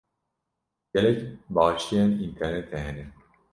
Gelek başiyên înternetê hene.